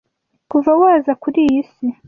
kuva waza kuri iyi si